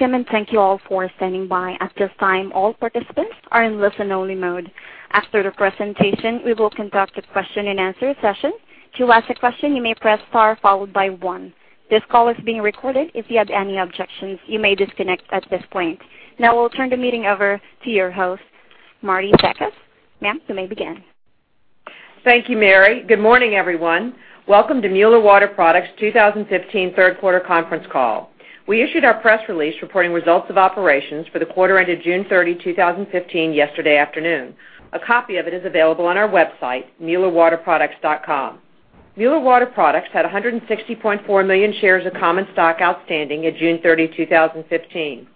Welcome. Thank you all for standing by. At this time, all participants are in listen-only mode. After the presentation, we will conduct a question-and-answer session. To ask a question, you may press star followed by one. This call is being recorded. If you have any objections, you may disconnect at this point. Now I will turn the meeting over to your host, Marietta Zakas. Ma'am, you may begin. Thank you, Mary. Good morning, everyone. Welcome to Mueller Water Products' 2015 third quarter conference call. We issued our press release reporting results of operations for the quarter ended June 30, 2015, yesterday afternoon. A copy of it is available on our website, muellerwaterproducts.com. Mueller Water Products had 160.4 million shares of common stock outstanding at June 30, 2015.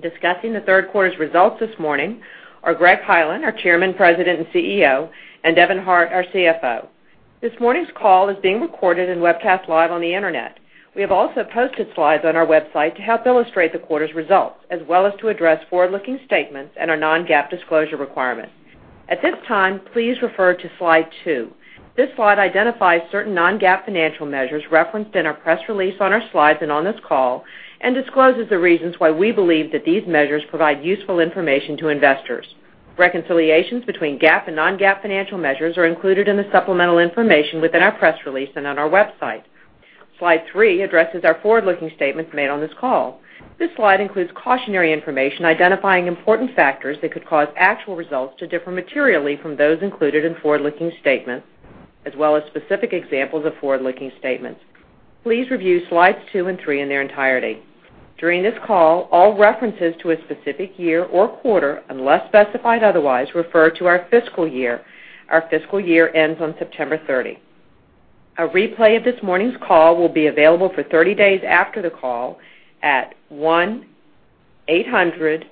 Discussing the third quarter's results this morning are Greg Hyland, our chairman, president and CEO, and Evan Hart, our CFO. This morning's call is being recorded and webcast live on the internet. We have also posted slides on our website to help illustrate the quarter's results, as well as to address forward-looking statements and our non-GAAP disclosure requirements. At this time, please refer to slide two. This slide identifies certain non-GAAP financial measures referenced in our press release, on our slides, and on this call, and discloses the reasons why we believe that these measures provide useful information to investors. Reconciliations between GAAP and non-GAAP financial measures are included in the supplemental information within our press release and on our website. Slide three addresses our forward-looking statements made on this call. This slide includes cautionary information identifying important factors that could cause actual results to differ materially from those included in forward-looking statements, as well as specific examples of forward-looking statements. Please review slides two and three in their entirety. During this call, all references to a specific year or quarter, unless specified otherwise, refer to our fiscal year. Our fiscal year ends on September 30. A replay of this morning's call will be available for 30 days after the call at 1-800-396-1242.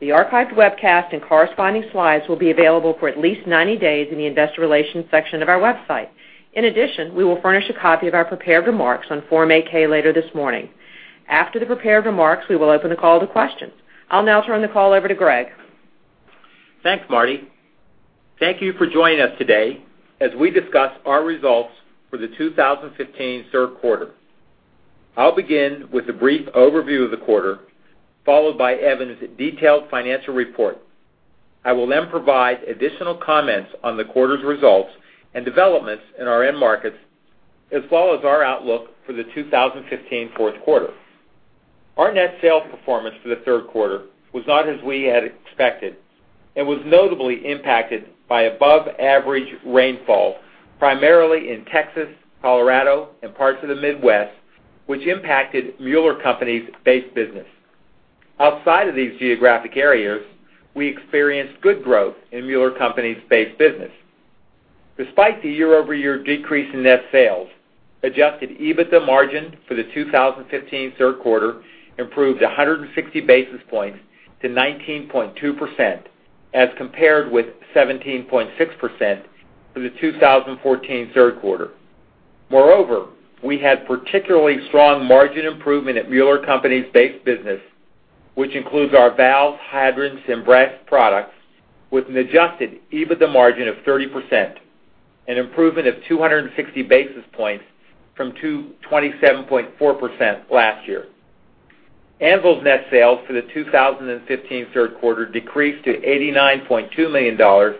The archived webcast and corresponding slides will be available for at least 90 days in the investor relations section of our website. In addition, we will furnish a copy of our prepared remarks on Form 8-K later this morning. After the prepared remarks, we will open the call to questions. I'll now turn the call over to Greg. Thanks, Marti. Thank you for joining us today as we discuss our results for the 2015 third quarter. I'll begin with a brief overview of the quarter, followed by Evan's detailed financial report. I will then provide additional comments on the quarter's results and developments in our end markets, as well as our outlook for the 2015 fourth quarter. Our net sales performance for the third quarter was not as we had expected and was notably impacted by above-average rainfall, primarily in Texas, Colorado, and parts of the Midwest, which impacted Mueller Company's base business. Outside of these geographic areas, we experienced good growth in Mueller Company's base business. Despite the year-over-year decrease in net sales, adjusted EBITDA margin for the 2015 third quarter improved 160 basis points to 19.2% as compared with 17.6% for the 2014 third quarter. We had particularly strong margin improvement at Mueller Company's base business, which includes our valves, hydrants, and brass products, with an adjusted EBITDA margin of 30%, an improvement of 260 basis points from 27.4% last year. Anvil's net sales for the 2015 third quarter decreased to $89.2 million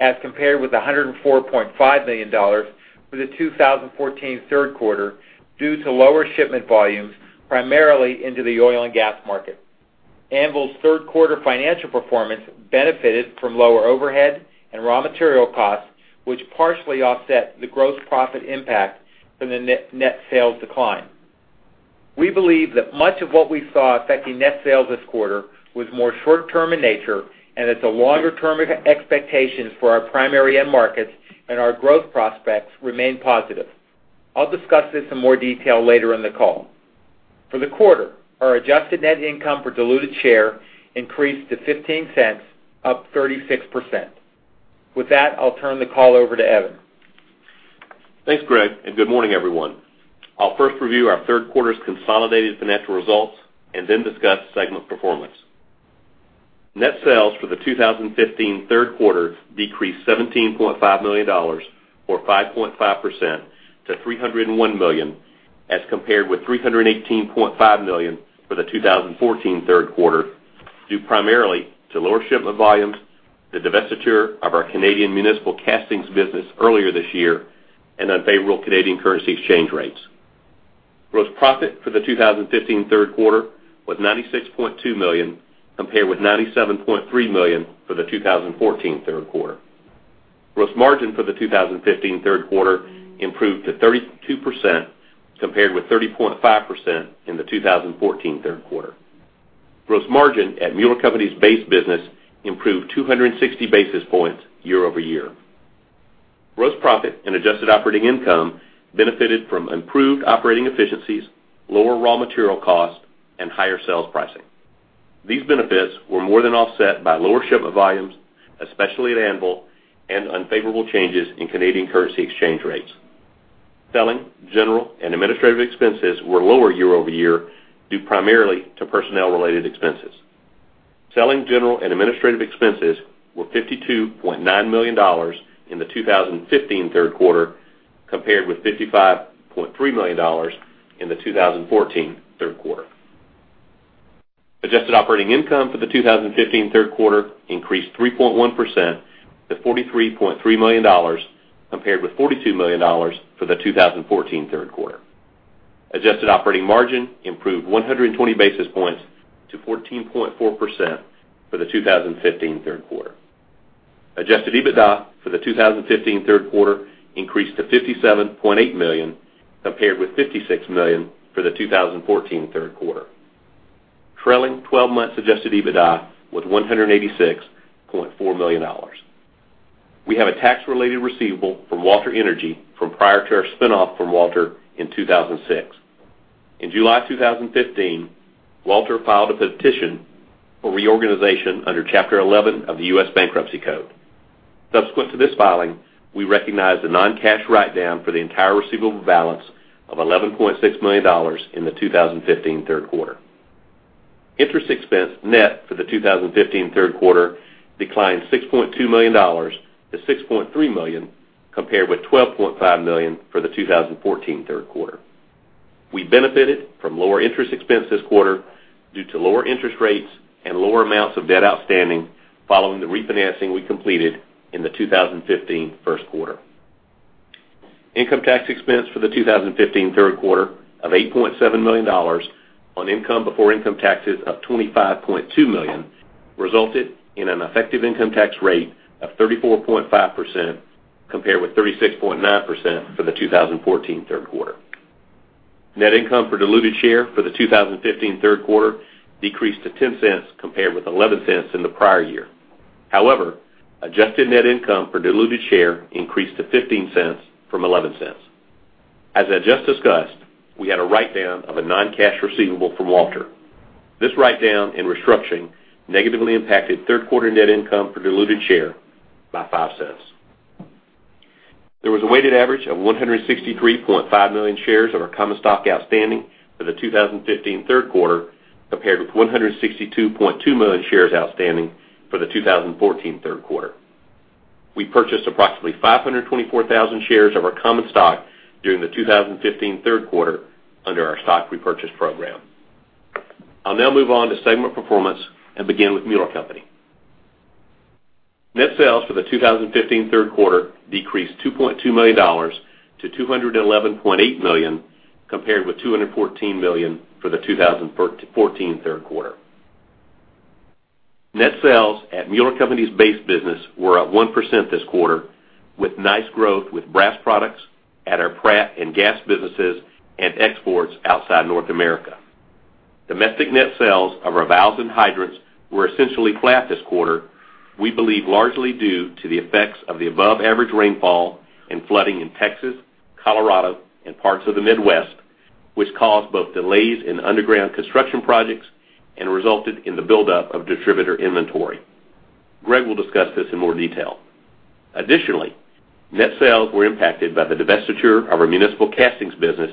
as compared with $104.5 million for the 2014 third quarter due to lower shipment volumes, primarily into the oil and gas market. Anvil's third-quarter financial performance benefited from lower overhead and raw material costs, which partially offset the gross profit impact from the net sales decline. We believe that much of what we saw affecting net sales this quarter was more short-term in nature and that the longer-term expectations for our primary end markets and our growth prospects remain positive. I'll discuss this in more detail later in the call. For the quarter, our adjusted net income per diluted share increased to $0.15, up 36%. With that, I'll turn the call over to Evan. Thanks, Greg, and good morning, everyone. I'll first review our third quarter's consolidated financial results and then discuss segment performance. Net sales for the 2015 third quarter decreased $17.5 million, or 5.5%, to $301 million as compared with $318.5 million for the 2014 third quarter, due primarily to lower shipment volumes, the divestiture of our Canadian municipal castings business earlier this year, and unfavorable Canadian currency exchange rates. Gross profit for the 2015 third quarter was $96.2 million, compared with $97.3 million for the 2014 third quarter. Gross margin for the 2015 third quarter improved to 32%, compared with 30.5% in the 2014 third quarter. Gross margin at Mueller Company's base business improved 260 basis points year-over-year. Gross profit and adjusted operating income benefited from improved operating efficiencies, lower raw material costs, and higher sales pricing. These benefits were more than offset by lower shipment volumes, especially at Anvil, and unfavorable changes in Canadian currency exchange rates. Selling, general, and administrative expenses were lower year-over-year, due primarily to personnel-related expenses. Selling, general, and administrative expenses were $52.9 million in the 2015 third quarter, compared with $55.3 million in the 2014 third quarter. Adjusted operating income for the 2015 third quarter increased 3.1% to $43.3 million, compared with $42 million for the 2014 third quarter. Adjusted operating margin improved 120 basis points to 14.4% for the 2015 third quarter. Adjusted EBITDA for the 2015 third quarter increased to $57.8 million, compared with $56 million for the 2014 third quarter. Trailing 12 months adjusted EBITDA was $186.4 million. We have a tax-related receivable from Walter Energy from prior to our spinoff from Walter in 2006. In July 2015, Walter filed a petition for reorganization under Chapter 11 of the U.S. Bankruptcy Code. Subsequent to this filing, we recognized a non-cash write down for the entire receivable balance of $11.6 million in the 2015 third quarter. Interest expense net for the 2015 third quarter declined $6.2 million to $6.3 million, compared with $12.5 million for the 2014 third quarter. We benefited from lower interest expense this quarter due to lower interest rates and lower amounts of debt outstanding following the refinancing we completed in the 2015 first quarter. Income tax expense for the 2015 third quarter of $8.7 million on income before income taxes of $25.2 million resulted in an effective income tax rate of 34.5%, compared with 36.9% for the 2014 third quarter. Net income per diluted share for the 2015 third quarter decreased to $0.10, compared with $0.11 in the prior year. However, adjusted net income per diluted share increased to $0.15 from $0.11. As I just discussed, we had a write down of a non-cash receivable from Walter. This write down and restructuring negatively impacted third quarter net income for diluted share by $0.05. There was a weighted average of 163.5 million shares of our common stock outstanding for the 2015 third quarter, compared with 162.2 million shares outstanding for the 2014 third quarter. We purchased approximately 524,000 shares of our common stock during the 2015 third quarter under our stock repurchase program. I'll now move on to segment performance and begin with Mueller Co. Net sales for the 2015 third quarter decreased $2.2 million to $211.8 million, compared with $214 million for the 2014 third quarter. Net sales at Mueller Co.'s base business were up 1% this quarter, with nice growth with brass products at our Pratt and gas businesses and exports outside North America. Domestic net sales of our valves and hydrants were essentially flat this quarter, we believe largely due to the effects of the above-average rainfall and flooding in Texas, Colorado, and parts of the Midwest, which caused both delays in underground construction projects and resulted in the buildup of distributor inventory. Greg will discuss this in more detail. Additionally, net sales were impacted by the divestiture of our municipal castings business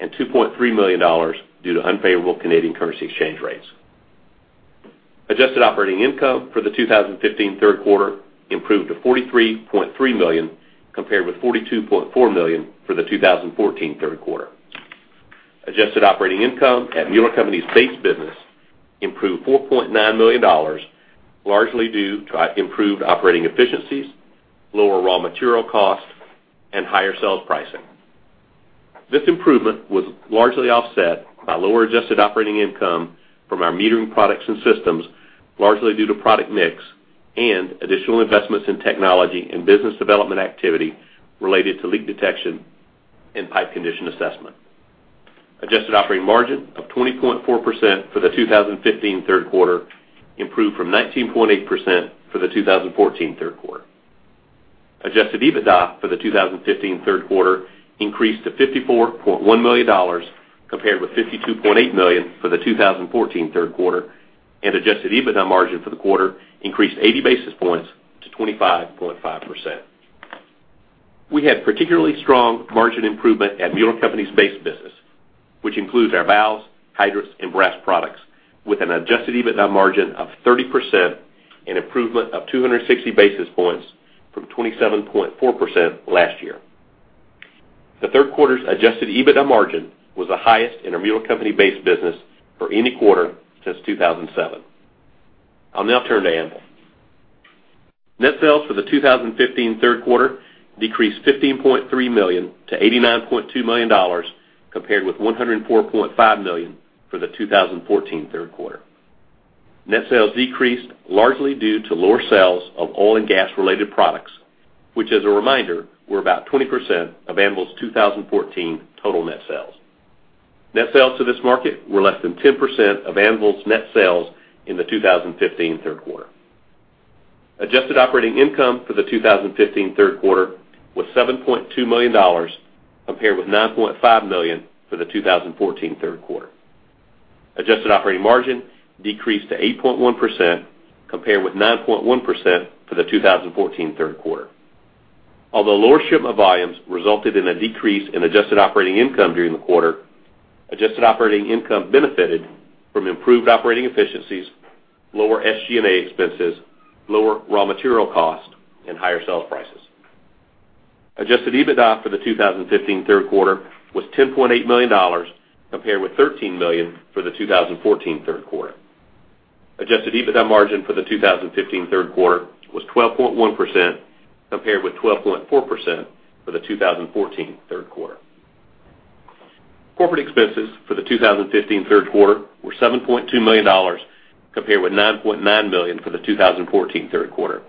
and $2.3 million due to unfavorable Canadian currency exchange rates. Adjusted operating income for the 2015 third quarter improved to $43.3 million, compared with $42.4 million for the 2014 third quarter. Adjusted operating income at Mueller Company's base business improved $4.9 million, largely due to improved operating efficiencies, lower raw material costs, and higher sales pricing. This improvement was largely offset by lower adjusted operating income from our metering products and systems, largely due to product mix and additional investments in technology and business development activity related to leak detection and pipe condition assessment. Adjusted operating margin of 20.4% for the 2015 third quarter improved from 19.8% for the 2014 third quarter. Adjusted EBITDA for the 2015 third quarter increased to $54.1 million, compared with $52.8 million for the 2014 third quarter, and adjusted EBITDA margin for the quarter increased 80 basis points to 25.5%. We had particularly strong margin improvement at Mueller Company's base business, which includes our valves, hydrants, and brass products, with an adjusted EBITDA margin of 30%, an improvement of 260 basis points from 27.4% last year. The third quarter's adjusted EBITDA margin was the highest in a Mueller Company base business for any quarter since 2007. I'll now turn to Anvil. Net sales for the 2015 third quarter decreased $15.3 million to $89.2 million, compared with $104.5 million for the 2014 third quarter. Net sales decreased largely due to lower sales of oil and gas-related products, which, as a reminder, were about 20% of Anvil's 2014 total net sales. Net sales to this market were less than 10% of Anvil's net sales in the 2015 third quarter. Adjusted operating income for the 2015 third quarter was $7.2 million, compared with $9.5 million for the 2014 third quarter. Adjusted operating margin decreased to 8.1%, compared with 9.1% for the 2014 third quarter. Although lower shipment volumes resulted in a decrease in adjusted operating income during the quarter, adjusted operating income benefited from improved operating efficiencies, lower SG&A expenses, lower raw material costs, and higher sales prices. Adjusted EBITDA for the 2015 third quarter was $10.8 million, compared with $13 million for the 2014 third quarter. Adjusted EBITDA margin for the 2015 third quarter was 12.1%, compared with 12.4% for the 2014 third quarter. Corporate expenses for the 2015 third quarter were $7.2 million, compared with $9.9 million for the 2014 third quarter.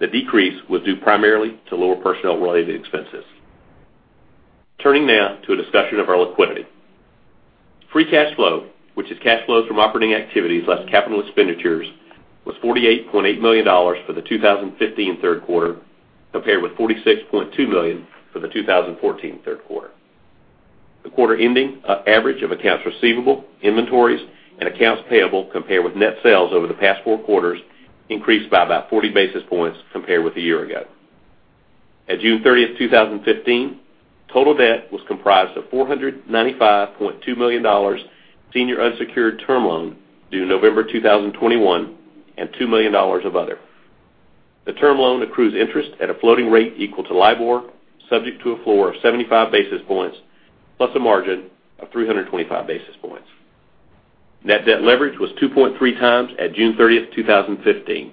The decrease was due primarily to lower personnel-related expenses. Turning now to a discussion of our liquidity. Free cash flow, which is cash flows from operating activities less capital expenditures, was $48.8 million for the 2015 third quarter, compared with $46.2 million for the 2014 third quarter. The quarter-ending average of accounts receivable, inventories, and accounts payable compared with net sales over the past four quarters increased by about 40 basis points compared with a year ago. At June 30th, 2015, total debt was comprised of $495.2 million senior unsecured term loan due November 2021, and $2 million of other. The term loan accrues interest at a floating rate equal to LIBOR, subject to a floor of 75 basis points, plus a margin of 325 basis points. Net debt leverage was 2.3 times at June 30th, 2015.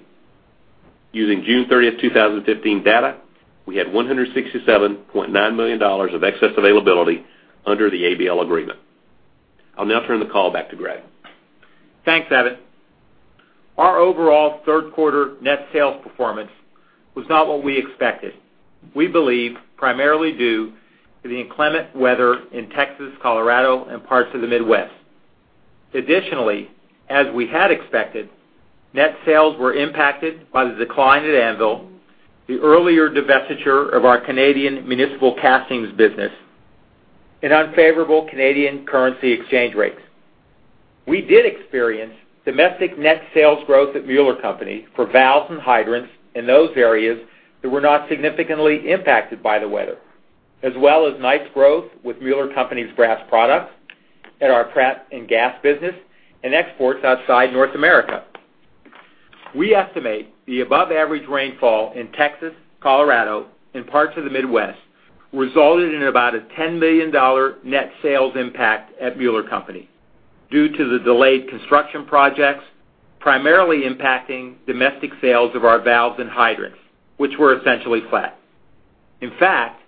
Using June 30th, 2015 data, we had $167.9 million of excess availability under the ABL agreement. I'll now turn the call back to Greg. Thanks, Evan. Our overall third quarter net sales performance was not what we expected. We believe primarily due to the inclement weather in Texas, Colorado, and parts of the Midwest. Additionally, as we had expected, net sales were impacted by the decline at Anvil, the earlier divestiture of our Canadian municipal castings business, and unfavorable Canadian currency exchange rates. We did experience domestic net sales growth at Mueller Co. for valves and hydrants in those areas that were not significantly impacted by the weather, as well as nice growth with Mueller Co.'s brass products at our Pratt and gas business and exports outside North America. We estimate the above-average rainfall in Texas, Colorado, and parts of the Midwest resulted in about a $10 million net sales impact at Mueller Co. due to the delayed construction projects, primarily impacting domestic sales of our valves and hydrants, which were essentially flat. In fact,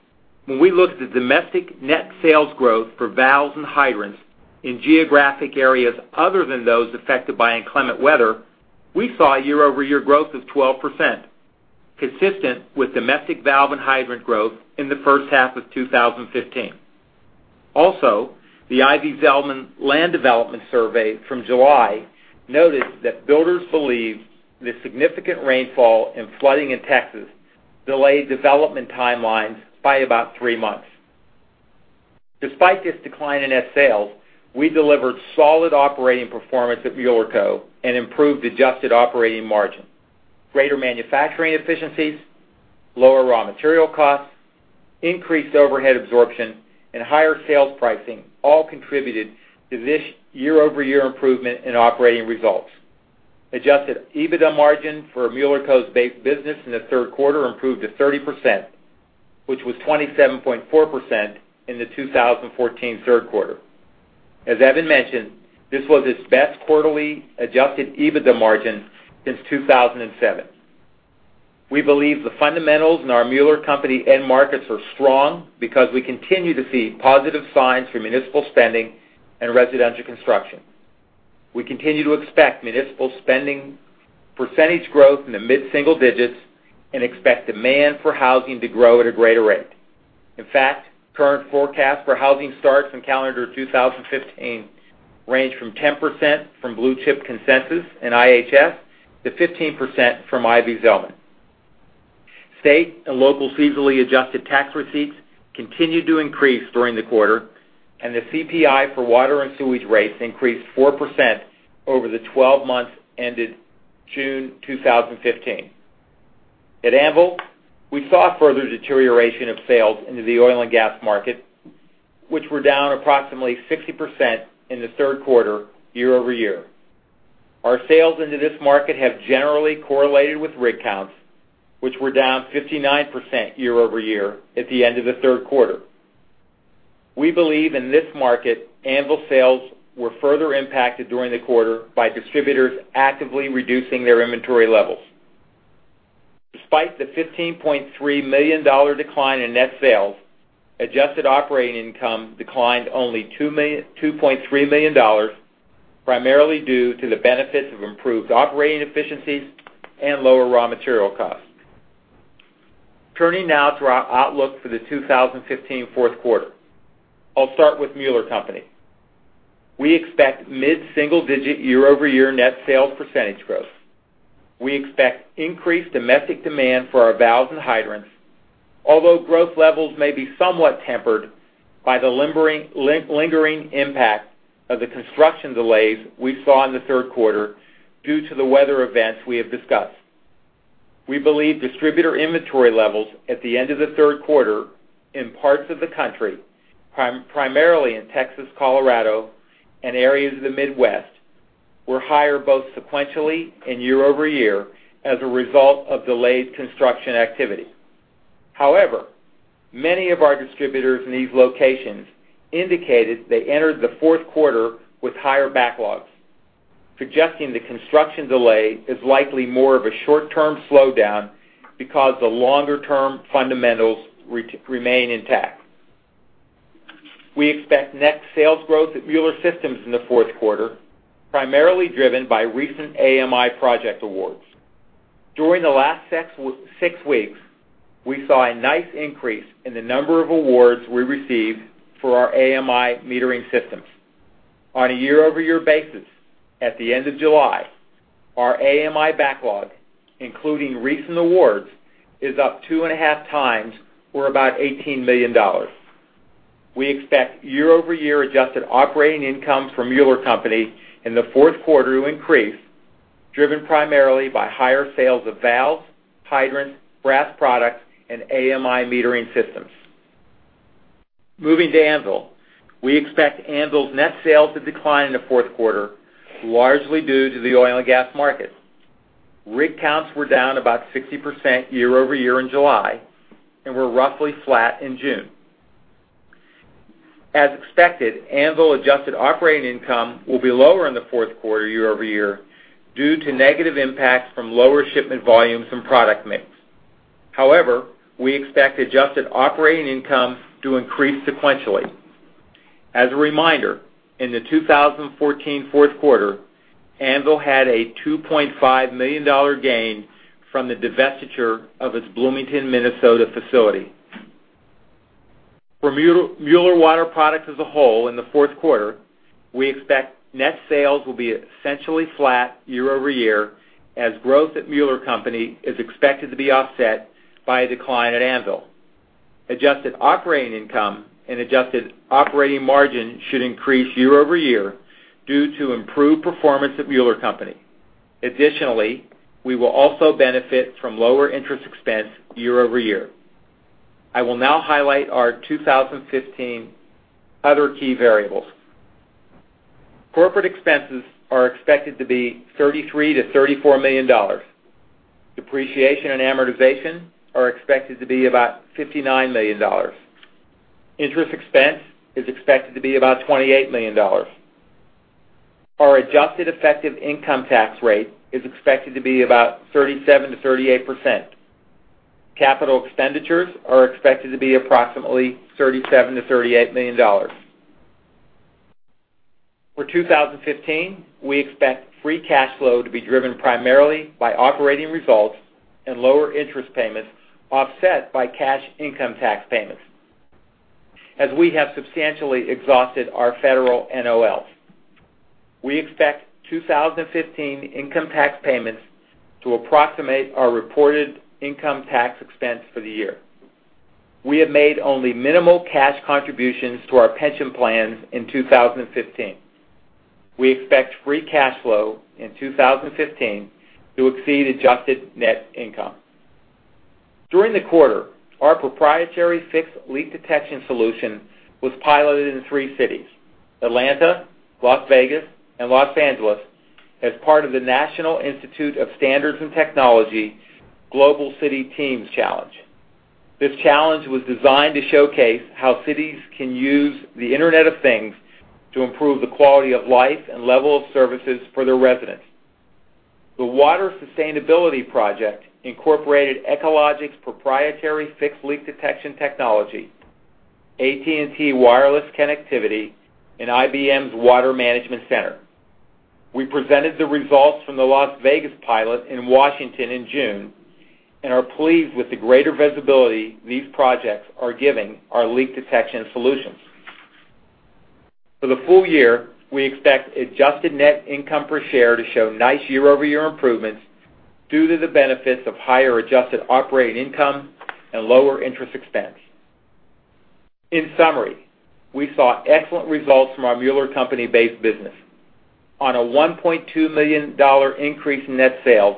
when we look at the domestic net sales growth for valves and hydrants in geographic areas other than those affected by inclement weather, we saw year-over-year growth of 12%, consistent with domestic valve and hydrant growth in the first half of 2015. Also, the Ivy Zelman land development survey from July noted that builders believe the significant rainfall and flooding in Texas delayed development timelines by about three months. Despite this decline in net sales, we delivered solid operating performance at Mueller Co. and improved adjusted operating margin. Greater manufacturing efficiencies, lower raw material costs, increased overhead absorption, and higher sales pricing all contributed to this year-over-year improvement in operating results. Adjusted EBITDA margin for Mueller Co.'s base business in the third quarter improved to 30%, which was 27.4% in the 2014 third quarter. As Evan mentioned, this was its best quarterly adjusted EBITDA margin since 2007. We believe the fundamentals in our Mueller Co. end markets are strong because we continue to see positive signs for municipal spending and residential construction. We continue to expect municipal spending percentage growth in the mid-single digits and expect demand for housing to grow at a greater rate. In fact, current forecasts for housing starts in calendar 2015 range from 10% from Blue Chip Consensus and IHS to 15% from Ivy Zelman. State and local seasonally adjusted tax receipts continued to increase during the quarter, and the CPI for water and sewage rates increased 4% over the 12 months ended June 2015. At Anvil, we saw further deterioration of sales into the oil and gas market, which were down approximately 60% in the third quarter year-over-year. Our sales into this market have generally correlated with rig counts, which were down 59% year-over-year at the end of the third quarter. We believe in this market, Anvil sales were further impacted during the quarter by distributors actively reducing their inventory levels. Despite the $15.3 million decline in net sales, adjusted operating income declined only $2.3 million, primarily due to the benefits of improved operating efficiencies and lower raw material costs. Turning now to our outlook for the 2015 fourth quarter. I will start with Mueller Co. We expect mid-single-digit year-over-year net sales percentage growth. We expect increased domestic demand for our valves and hydrants, although growth levels may be somewhat tempered by the lingering impact of the construction delays we saw in the third quarter due to the weather events we have discussed. We believe distributor inventory levels at the end of the third quarter in parts of the country, primarily in Texas, Colorado, and areas of the Midwest, were higher both sequentially and year-over-year as a result of delayed construction activity. Many of our distributors in these locations indicated they entered the fourth quarter with higher backlogs, suggesting the construction delay is likely more of a short-term slowdown because the longer-term fundamentals remain intact. We expect net sales growth at Mueller Systems in the fourth quarter, primarily driven by recent AMI project awards. During the last 6 weeks, we saw a nice increase in the number of awards we received for our AMI metering systems. On a year-over-year basis, at the end of July, our AMI backlog, including recent awards, is up two and a half times or about $18 million. We expect year-over-year adjusted operating income from Mueller Co. in the fourth quarter to increase, driven primarily by higher sales of valves, hydrants, brass products, and AMI metering systems. Moving to Anvil. We expect Anvil's net sales to decline in the fourth quarter, largely due to the oil and gas market. Rig counts were down about 60% year-over-year in July and were roughly flat in June. As expected, Anvil adjusted operating income will be lower in the fourth quarter year-over-year due to negative impacts from lower shipment volumes and product mix. We expect adjusted operating income to increase sequentially. As a reminder, in the 2014 fourth quarter, Anvil had a $2.5 million gain from the divestiture of its Bloomington, Minnesota facility. For Mueller Water Products as a whole in the fourth quarter, we expect net sales will be essentially flat year-over-year, as growth at Mueller Co. is expected to be offset by a decline at Anvil. Adjusted operating income and adjusted operating margin should increase year-over-year due to improved performance at Mueller Co. We will also benefit from lower interest expense year-over-year. I will now highlight our 2015 other key variables. Corporate expenses are expected to be $33 million-$34 million. Depreciation and amortization are expected to be about $59 million. Interest expense is expected to be about $28 million. Our adjusted effective income tax rate is expected to be about 37%-38%. Capital expenditures are expected to be approximately $37 million-$38 million. For 2015, we expect free cash flow to be driven primarily by operating results and lower interest payments, offset by cash income tax payments. As we have substantially exhausted our federal NOLs, we expect 2015 income tax payments to approximate our reported income tax expense for the year. We have made only minimal cash contributions to our pension plans in 2015. We expect free cash flow in 2015 to exceed adjusted net income. During the quarter, our proprietary fixed leak detection solution was piloted in three cities, Atlanta, Las Vegas, and Los Angeles, as part of the National Institute of Standards and Technology Global City Teams Challenge. This challenge was designed to showcase how cities can use the Internet of Things to improve the quality of life and level of services for their residents. The Water Sustainability Project incorporated Echologics proprietary fixed leak detection technology, AT&T wireless connectivity, and IBM's Water Management Center. We presented the results from the Las Vegas pilot in Washington in June and are pleased with the greater visibility these projects are giving our leak detection solutions. For the full year, we expect adjusted net income per share to show nice year-over-year improvements due to the benefits of higher adjusted operating income and lower interest expense. In summary, we saw excellent results from our Mueller Co.-based business. On a $1.2 million increase in net sales,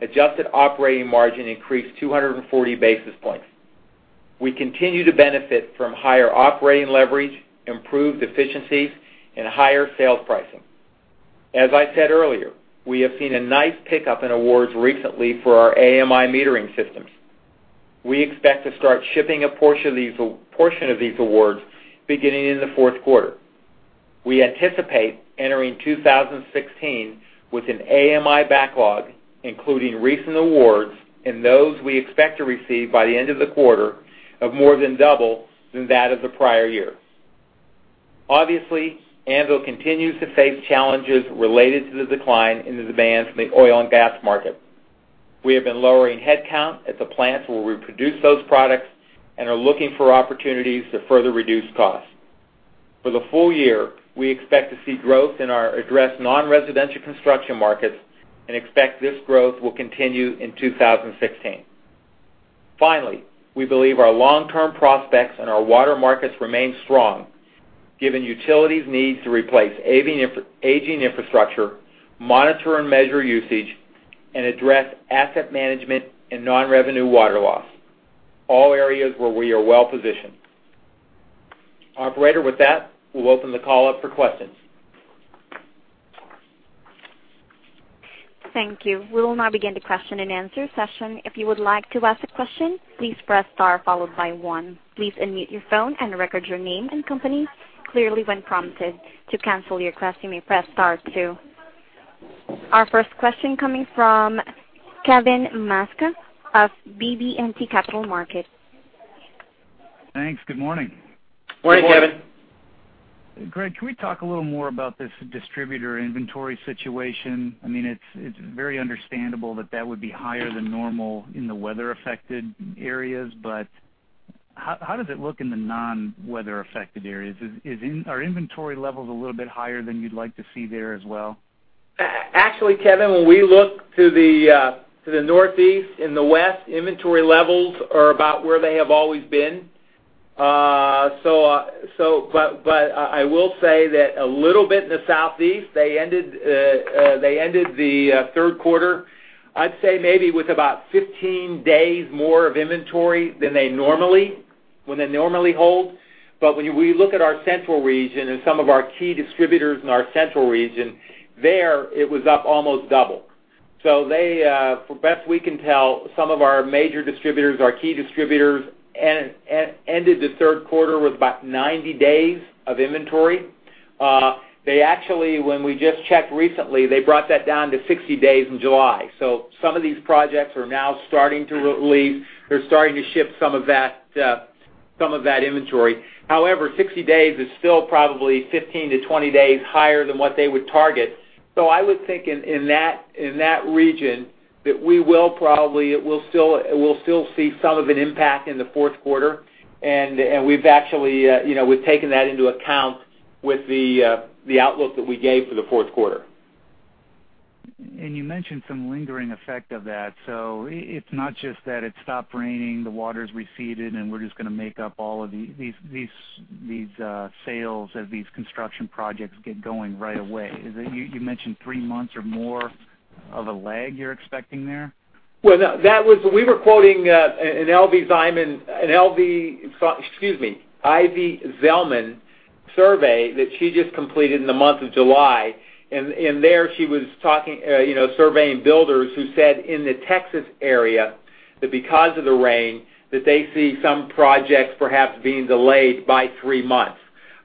adjusted operating margin increased 240 basis points. We continue to benefit from higher operating leverage, improved efficiencies, and higher sales pricing. As I said earlier, we have seen a nice pickup in awards recently for our AMI metering systems. We expect to start shipping a portion of these awards beginning in the fourth quarter. We anticipate entering 2016 with an AMI backlog, including recent awards and those we expect to receive by the end of the quarter, of more than double than that of the prior year. Anvil continues to face challenges related to the decline in the demand from the oil and gas market. We have been lowering headcount at the plants where we produce those products and are looking for opportunities to further reduce costs. For the full year, we expect to see growth in our address non-residential construction markets and expect this growth will continue in 2016. Finally, we believe our long-term prospects in our water markets remain strong given utilities need to replace aging infrastructure, monitor and measure usage, and address asset management and non-revenue water loss, all areas where we are well-positioned. Operator, with that, we'll open the call up for questions. Thank you. We will now begin the question and answer session. If you would like to ask a question, please press star followed by one. Please unmute your phone and record your name and company clearly when prompted. To cancel your request, you may press star two. Our first question coming from Kevin Sterling of BB&T Capital Markets. Thanks. Good morning. Morning, Kevin. Greg, can we talk a little more about this distributor inventory situation? It's very understandable that that would be higher than normal in the weather-affected areas. How does it look in the non-weather-affected areas? Are inventory levels a little bit higher than you'd like to see there as well? Actually, Kevin, when we look to the Northeast and the West, inventory levels are about where they have always been. I will say that a little bit in the Southeast, they ended the third quarter, I'd say maybe with about 15 days more of inventory than they normally hold. When we look at our central region and some of our key distributors in our central region, there, it was up almost double. The best we can tell, some of our major distributors, our key distributors, ended the third quarter with about 90 days of inventory. They actually, when we just checked recently, they brought that down to 60 days in July. Some of these projects are now starting to relieve. They're starting to ship some of that inventory. However, 60 days is still probably 15 to 20 days higher than what they would target. I would think in that region, that we will probably still see some of an impact in the fourth quarter, and we've taken that into account with the outlook that we gave for the fourth quarter. You mentioned some lingering effect of that. It's not just that it stopped raining, the water's receded, and we're just going to make up all of these sales as these construction projects get going right away. You mentioned three months or more of a lag you're expecting there? We were quoting an Ivy Zelman survey that she just completed in the month of July, there she was surveying builders who said in the Texas area, that because of the rain, that they see some projects perhaps being delayed by three months.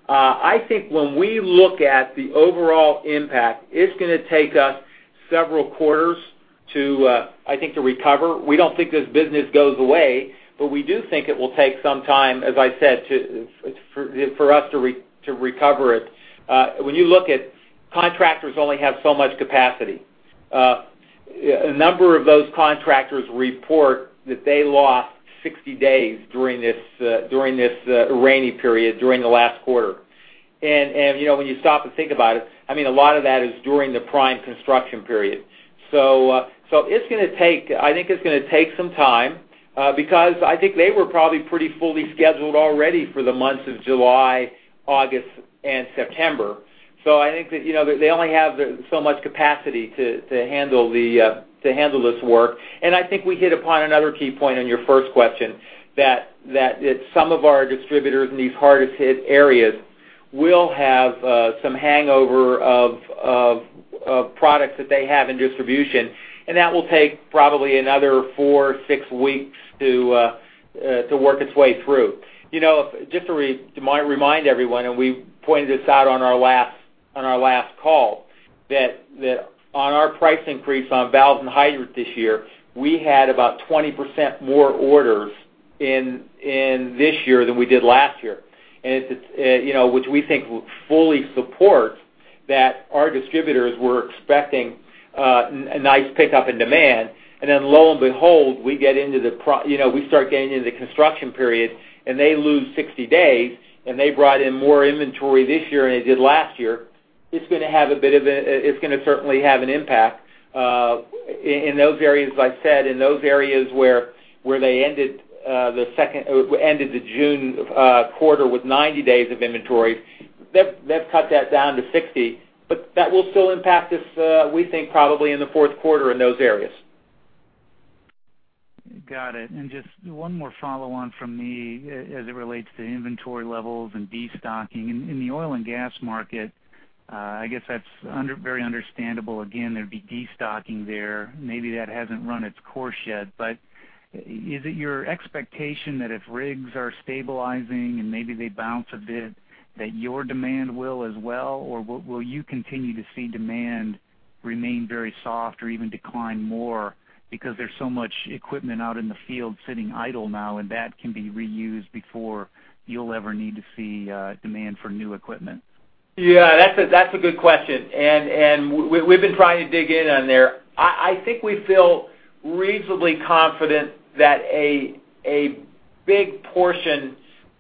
I think when we look at the overall impact, it's going to take us several quarters, I think, to recover. We don't think this business goes away, but we do think it will take some time, as I said, for us to recover it. When you look at contractors only have so much capacity. A number of those contractors report that they lost 60 days during this rainy period during the last quarter. When you stop and think about it, a lot of that is during the prime construction period. I think it's going to take some time, because I think they were probably pretty fully scheduled already for the months of July, August, and September. I think that they only have so much capacity to handle this work. I think we hit upon another key point on your first question, that some of our distributors in these hardest hit areas will have some hangover of products that they have in distribution, and that will take probably another four, six weeks to work its way through. Just to remind everyone, we pointed this out on our last call, that on our price increase on valves and hydrants this year, we had about 20% more orders in this year than we did last year, which we think will fully support that our distributors were expecting a nice pickup in demand. Lo and behold, we start getting into the construction period, and they lose 60 days, and they brought in more inventory this year than they did last year. It's going to certainly have an impact in those areas, as I said, where they ended the June quarter with 90 days of inventory. They've cut that down to 60, but that will still impact us, we think, probably in the fourth quarter in those areas. Got it. Just one more follow-on from me as it relates to inventory levels and destocking. In the oil and gas market, I guess that's very understandable. Again, there'd be destocking there. Maybe that hasn't run its course yet, but is it your expectation that if rigs are stabilizing and maybe they bounce a bit, that your demand will as well? Or will you continue to see demand remain very soft or even decline more because there's so much equipment out in the field sitting idle now, and that can be reused before you'll ever need to see demand for new equipment? Yeah, that's a good question. We've been trying to dig in on there. I think we feel reasonably confident that a big portion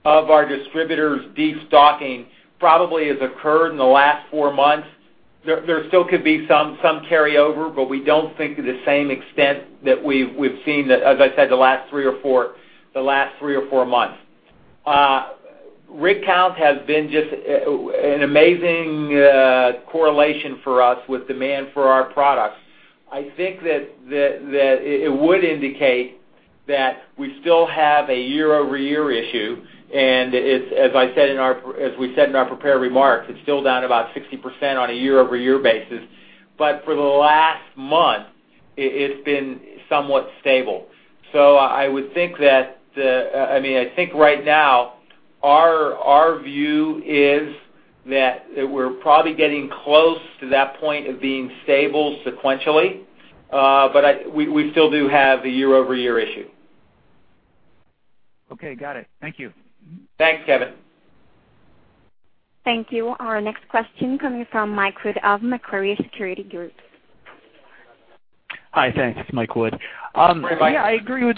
of our distributors' destocking probably has occurred in the last four months. There still could be some carryover, but we don't think to the same extent that we've seen, as I said, the last three or four months. Rig count has been just an amazing correlation for us with demand for our products. I think that it would indicate that we still have a year-over-year issue, as we said in our prepared remarks, it's still down about 60% on a year-over-year basis. For the last month, it's been somewhat stable. I think right now, our view is that we're probably getting close to that point of being stable sequentially, but we still do have a year-over-year issue. Okay, got it. Thank you. Thanks, Kevin. Thank you. Our next question coming from Mike Wood of Macquarie Securities Group. Hi, thanks. It's Mike Wood. Mike. Hi. I agree with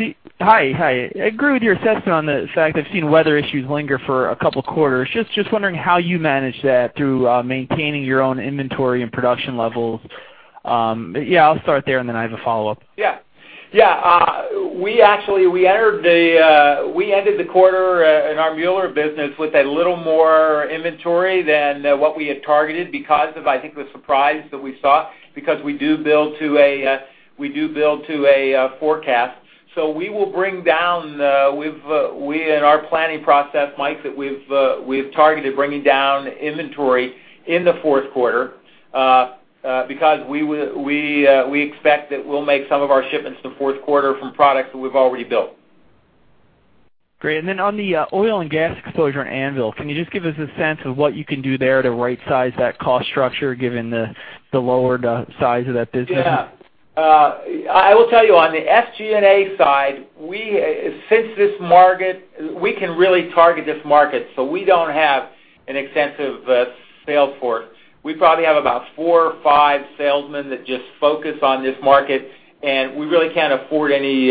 your assessment on the fact I've seen weather issues linger for a couple of quarters. Just wondering how you manage that through maintaining your own inventory and production levels. I'll start there, and then I have a follow-up. Yeah. We ended the quarter in our Mueller business with a little more inventory than what we had targeted because of, I think, the surprise that we saw because we do build to a forecast. We will bring down in our planning process, Mike, that we've targeted bringing down inventory in the fourth quarter, because we expect that we'll make some of our shipments the fourth quarter from products that we've already built. Great. On the oil and gas exposure in Anvil, can you just give us a sense of what you can do there to rightsize that cost structure, given the lowered size of that business? Yeah. I will tell you on the SG&A side, we can really target this market, we don't have an extensive sales force. We probably have about four or five salesmen that just focus on this market, we really can't afford any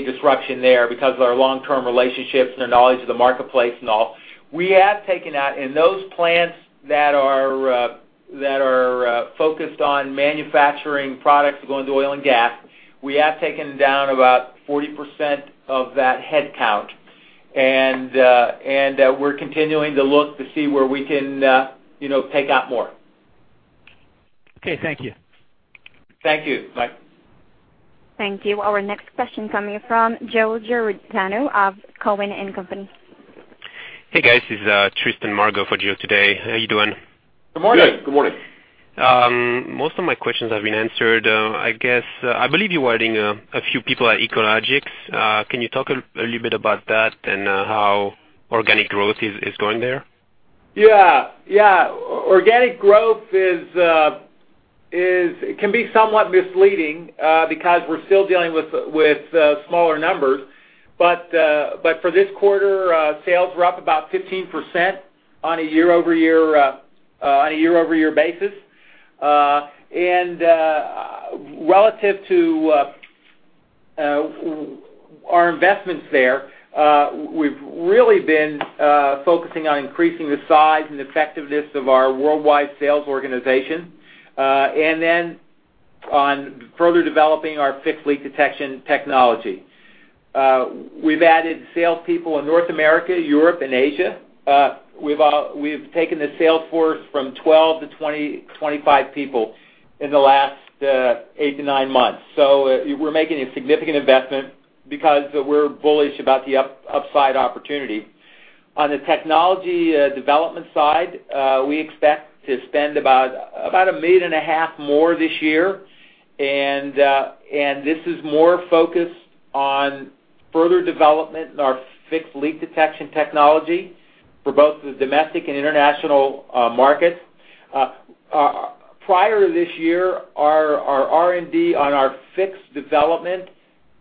disruption there because of our long-term relationships and their knowledge of the marketplace and all. In those plants that are focused on manufacturing products that go into oil and gas, we have taken down about 40% of that headcount, we're continuing to look to see where we can take out more. Okay, thank you. Thank you, Mike. Thank you. Our next question coming from Joseph Giordano of Cowen and Company. Hey, guys. This is Tristan Margot for Joe today. How you doing? Good morning. Good. Good morning. Most of my questions have been answered, I guess. I believe you are adding a few people at Echologics. Can you talk a little bit about that and how organic growth is going there? Yeah. Organic growth can be somewhat misleading because we are still dealing with smaller numbers. For this quarter, sales were up about 15% on a year-over-year basis. Relative to our investments there, we have really been focusing on increasing the size and effectiveness of our worldwide sales organization, and then on further developing our fixed leak detection technology. We have added salespeople in North America, Europe, and Asia. We have taken the sales force from 12 to 25 people in the last eight to nine months. We are making a significant investment because we are bullish about the upside opportunity. On the technology development side, we expect to spend about a million and a half more this year. This is more focused on further development in our fixed leak detection technology for both the domestic and international markets. Prior to this year, our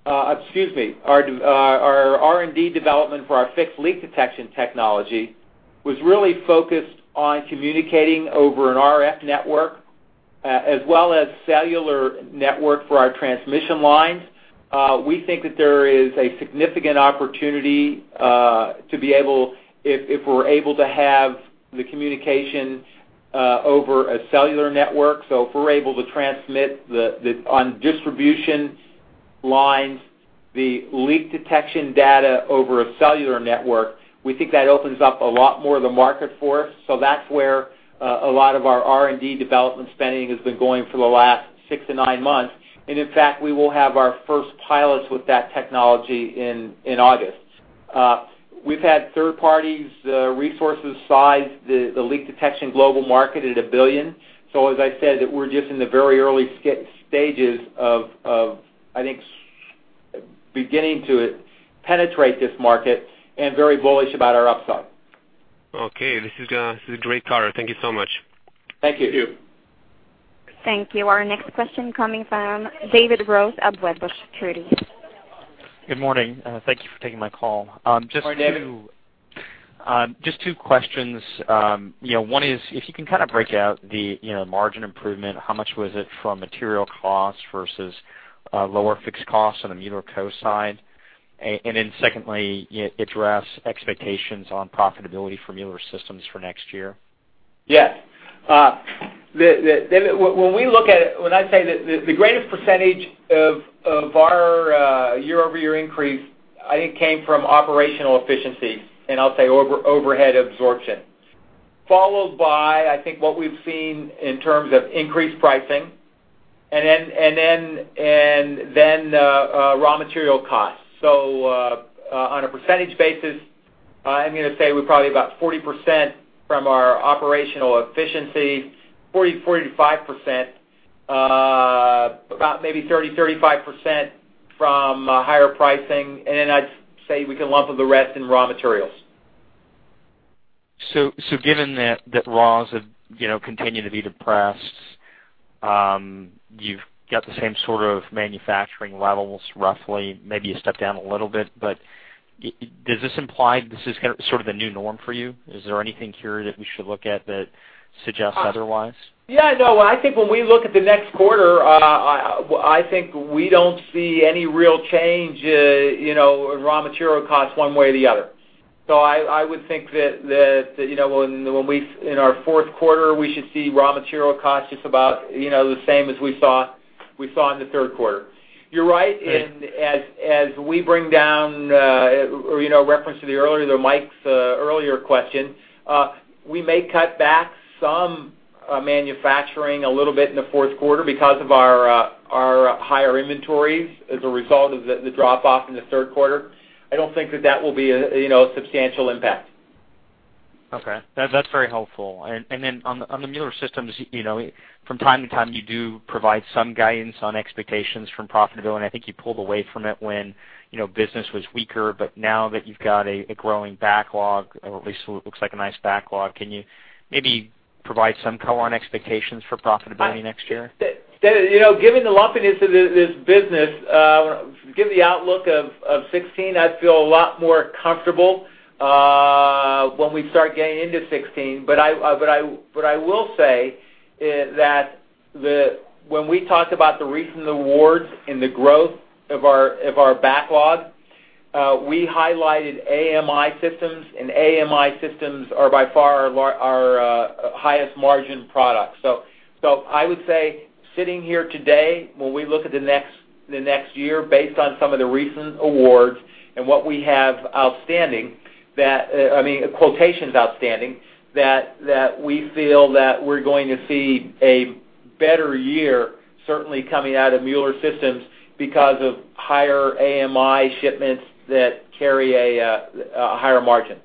R&D development for our fixed leak detection technology was really focused on communicating over an RF network as well as cellular network for our transmission lines. We think that there is a significant opportunity, if we are able to have the communication over a cellular network. If we are able to transmit on distribution lines the leak detection data over a cellular network, we think that opens up a lot more of the market for us. That is where a lot of our R&D development spending has been going for the last six to nine months. In fact, we will have our first pilots with that technology in August. We have had third parties resources size the leak detection global market at $1 billion. As I said, we're just in the very early stages of, I think, beginning to penetrate this market and very bullish about our upside. Okay, this is a great color. Thank you so much. Thank you. Thank you. Our next question coming from David Rose of Wedbush Securities. Good morning. Thank you for taking my call. Good morning, David. Just two questions. One is, if you can break out the margin improvement, how much was it from material costs versus lower fixed costs on the Mueller Co side? Secondly, address expectations on profitability for Mueller Systems for next year. Yes. David, when I say that the greatest percentage of our year-over-year increase, I think came from operational efficiency, and I'll say overhead absorption, followed by, I think what we've seen in terms of increased pricing, and then raw material costs. On a percentage basis, I'm going to say we're probably about 40% from our operational efficiency, 40%-45%, about maybe 30%-35% from higher pricing. I'd say we can lump the rest in raw materials. Given that raws have continued to be depressed, you've got the same sort of manufacturing levels, roughly, maybe you stepped down a little bit, but does this imply this is sort of the new norm for you? Is there anything here that we should look at that suggests otherwise? Yeah, no. I think when we look at the next quarter, I think we don't see any real change in raw material costs one way or the other. I would think that in our fourth quarter, we should see raw material costs just about the same as we saw in the third quarter. You're right. Great. As we bring down, or reference to Mike's earlier question, we may cut back some manufacturing a little bit in the fourth quarter because of our higher inventories as a result of the drop-off in the third quarter. I don't think that that will be a substantial impact. Okay. That's very helpful. Then on the Mueller Systems, from time to time, you do provide some guidance on expectations from profitability, and I think you pulled away from it when business was weaker, but now that you've got a growing backlog, or at least what looks like a nice backlog, can you maybe provide some color on expectations for profitability next year? David, given the lumpiness of this business, given the outlook of 2016, I'd feel a lot more comfortable when we start getting into 2016. What I will say is that when we talk about the recent awards and the growth of our backlog, we highlighted AMI Systems, and AMI Systems are by far our highest margin product. I would say, sitting here today, when we look at the next year, based on some of the recent awards and what we have outstanding, I mean, quotations outstanding, that we feel that we're going to see a better year, certainly coming out of Mueller Systems because of higher AMI shipments that carry a higher margin.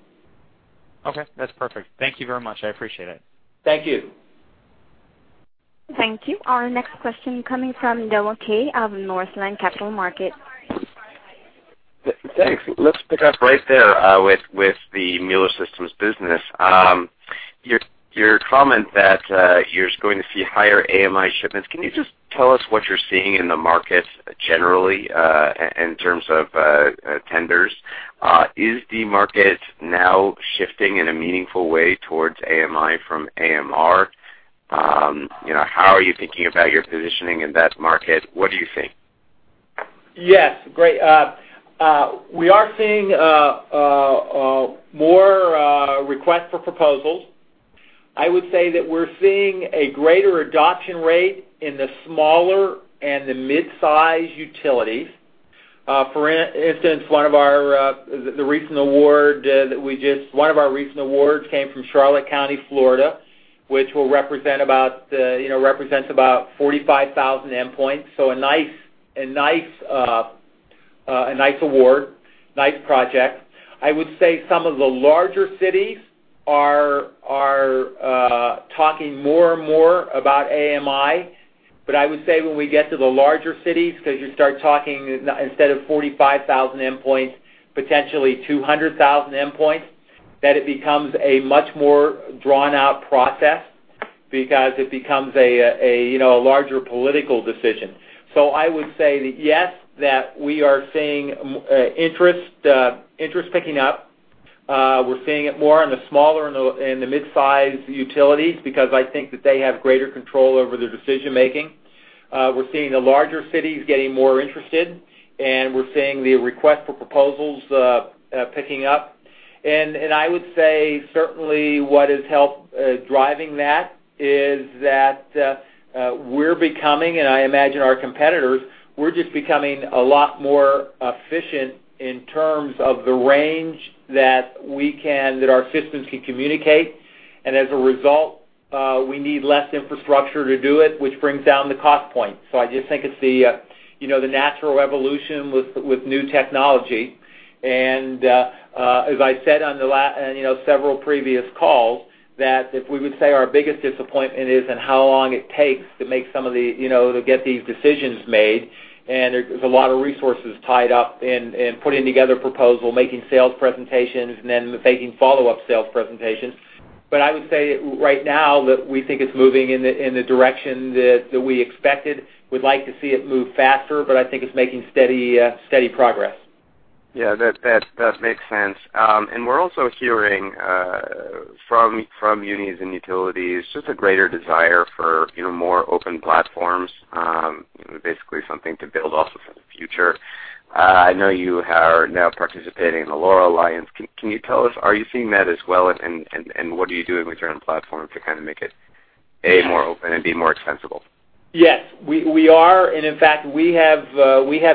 Okay. That's perfect. Thank you very much. I appreciate it. Thank you. Thank you. Our next question coming from [Devon Dray] of Northland Capital Markets. Thanks. Let's pick up right there with the Mueller Systems business. Your comment that you're going to see higher AMI shipments, can you just tell us what you're seeing in the market generally, in terms of tenders? Is the market now shifting in a meaningful way towards AMI from AMR? How are you thinking about your positioning in that market? What do you think? Yes, great. We are seeing more requests for proposals. I would say that we're seeing a greater adoption rate in the smaller and the mid-size utilities. For instance, one of our recent awards came from Charlotte County, Florida, which represents about 45,000 endpoints. A nice award. Nice project. I would say some of the larger cities are talking more and more about AMI. I would say when we get to the larger cities, because you start talking instead of 45,000 endpoints, potentially 200,000 endpoints, that it becomes a much more drawn-out process because it becomes a larger political decision. I would say that yes, that we are seeing interest picking up. We're seeing it more in the smaller and the mid-size utilities because I think that they have greater control over their decision-making. We're seeing the larger cities getting more interested, and we're seeing the request for proposals picking up. I would say certainly what has helped driving that is that we're becoming, and I imagine our competitors, we're just becoming a lot more efficient in terms of the range that our systems can communicate, and as a result, we need less infrastructure to do it, which brings down the cost point. I just think it's the natural evolution with new technology, and as I said on several previous calls, that if we would say our biggest disappointment is in how long it takes to get these decisions made. There's a lot of resources tied up in putting together a proposal, making sales presentations, and then making follow-up sales presentations. I would say right now that we think it's moving in the direction that we expected. We'd like to see it move faster, I think it's making steady progress. Yeah, that makes sense. We're also hearing from unis and utilities, just a greater desire for more open platforms, basically something to build off of for the future. I know you are now participating in the LoRa Alliance. Can you tell us, are you seeing that as well, and what are you doing with your own platform to kind of make it, A, more open and, B, more extensible? Yes. We are, in fact, we have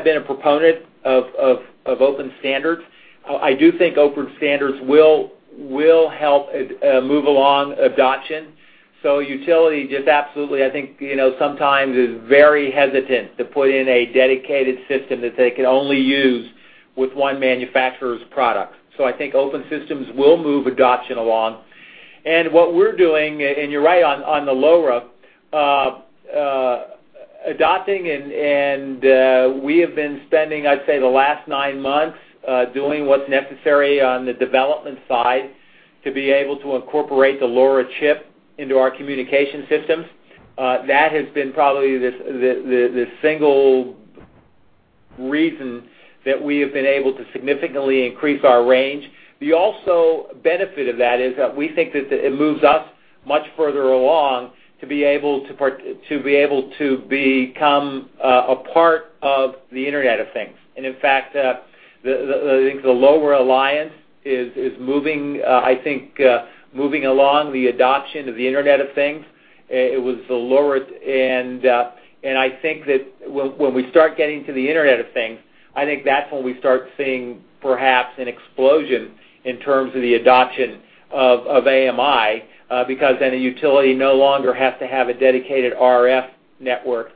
been a proponent of open standards. I do think open standards will help move along adoption. Utility just absolutely, I think, sometimes is very hesitant to put in a dedicated system that they can only use with one manufacturer's product. I think open systems will move adoption along. What we're doing, and you're right on the LoRa, adopting, and we have been spending, I'd say, the last nine months, doing what's necessary on the development side to be able to incorporate the LoRa chip into our communication systems. That has been probably the single reason that we have been able to significantly increase our range. The also benefit of that is that we think that it moves us much further along to be able to become a part of the Internet of Things. In fact, I think the LoRa Alliance is moving along the adoption of the Internet of Things. It was the LoRa. I think that when we start getting to the Internet of Things, I think that's when we start seeing perhaps an explosion in terms of the adoption of AMI, because then a utility no longer has to have a dedicated RF network.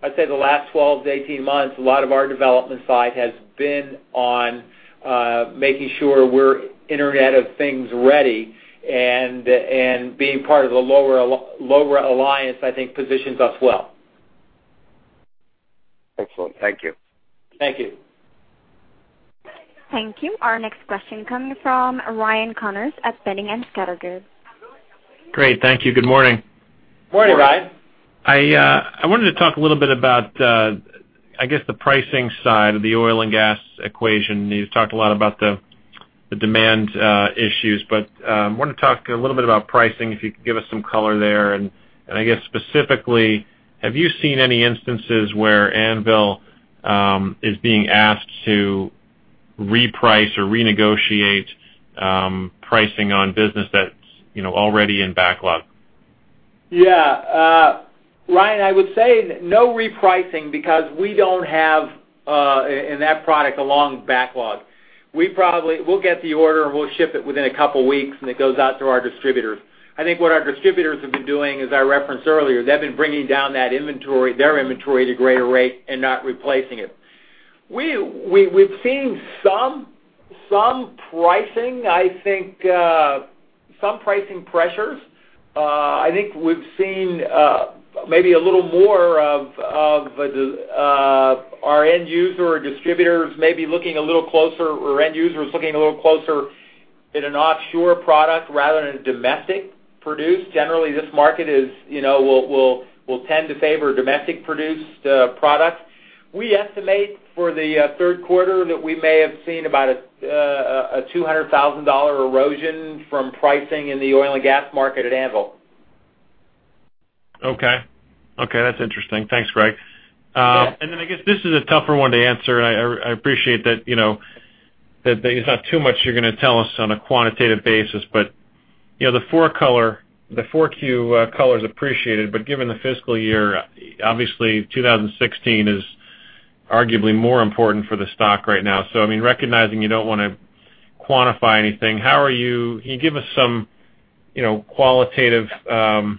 I'd say the last 12-18 months, a lot of our development side has been on making sure we're Internet of Things ready, and being part of the LoRa Alliance, I think, positions us well. Excellent. Thank you. Thank you. Thank you. Our next question comes from Ryan Connors at Boenning & Scattergood. Great. Thank you. Good morning. Morning, Ryan. I wanted to talk a little bit about, I guess, the pricing side of the oil and gas equation. You've talked a lot about the demand issues, but I wanted to talk a little bit about pricing, if you could give us some color there. I guess specifically, have you seen any instances where Anvil is being asked to reprice or renegotiate pricing on business that's already in backlog? Yeah. Ryan, I would say no repricing because we don't have, in that product, a long backlog. We'll get the order, and we'll ship it within a couple of weeks, and it goes out to our distributors. I think what our distributors have been doing, as I referenced earlier, they've been bringing down their inventory at a greater rate and not replacing it. We've seen some pricing, I think, some pricing pressures. I think we've seen maybe a little more of our end user or distributors maybe looking a little closer, or end users looking a little closer at an offshore product rather than a domestic product. Generally, this market will tend to favor domestic-produced products. We estimate for the third quarter that we may have seen about a $200,000 erosion from pricing in the oil and gas market at Anvil. Okay. That's interesting. Thanks, Greg. Yeah. I guess this is a tougher one to answer. I appreciate that there's not too much you're going to tell us on a quantitative basis, but the 4Q color's appreciated, given the fiscal year, obviously 2016 is arguably more important for the stock right now. I mean, recognizing you don't want to quantify anything, can you give us some qualitative kind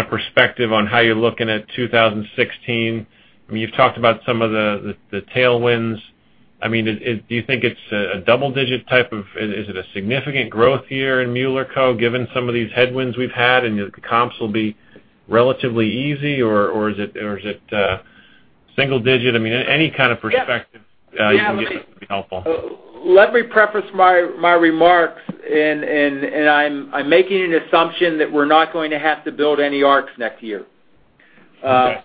of perspective on how you're looking at 2016? I mean, you've talked about some of the tailwinds. I mean, do you think it's a significant growth year in Mueller Co, given some of these headwinds we've had, and the comps will be relatively easy, or is it single-digit? I mean, any kind of perspective you can give us would be helpful. Let me preface my remarks. I'm making an assumption that we're not going to have to build any arcs next year. Okay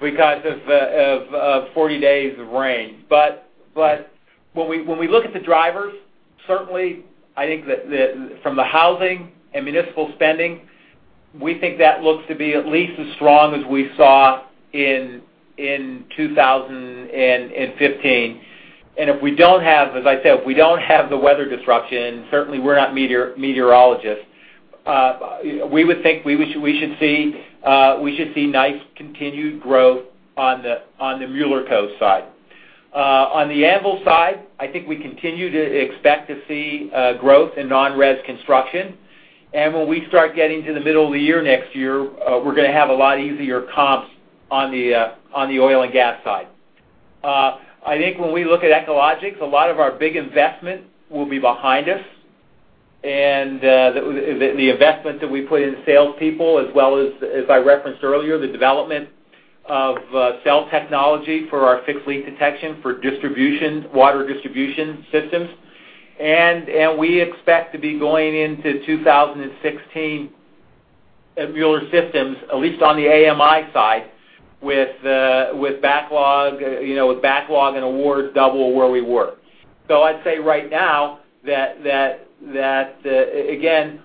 because of 40 days of rain. When we look at the drivers, certainly, I think that from the housing and municipal spending, we think that looks to be at least as strong as we saw in 2015. If we don't have, as I said, if we don't have the weather disruption, certainly we're not meteorologists, we would think we should see nice continued growth on the Mueller Co. side. On the Anvil side, I think we continue to expect to see growth in non-res construction. When we start getting to the middle of the year next year, we're going to have a lot easier comps on the oil and gas side. I think when we look at Echologics, a lot of our big investment will be behind us, and the investment that we put in salespeople as well as I referenced earlier, the development of cell technology for our fixed leak detection for water distribution systems. We expect to be going into 2016 at Mueller Systems, at least on the AMI side, with backlog and awards double where we were. I'd say right now that, again,